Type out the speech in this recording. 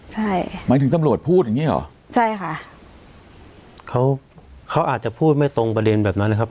ใช่หมายถึงตำรวจพูดอย่างงี้เหรอใช่ค่ะเขาเขาอาจจะพูดไม่ตรงประเด็นแบบนั้นนะครับ